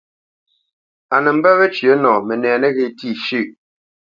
A nə mbə́ wecyə̌ nɔ mənɛ nəghé tî shʉ̂ʼ.